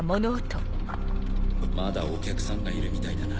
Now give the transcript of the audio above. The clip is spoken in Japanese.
まだお客さんがいるみたいだな。